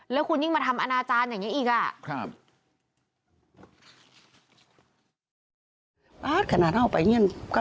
แล้วคุณยิ่งมาทำอนาจารย์อย่างนี้อีกอ่ะ